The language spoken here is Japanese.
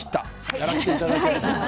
やらせていただきます。